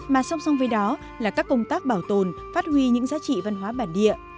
mà song song với đó là các công tác bảo tồn phát huy những giá trị văn hóa bản địa